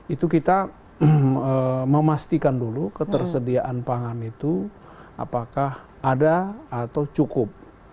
itu kita memastikan dulu ketersediaan pangan itu apakah ada atau cukup